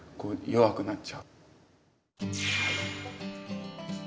弱くなっちゃう。